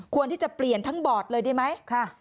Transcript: ที่จะเปลี่ยนทั้งบอร์ดเลยได้ไหม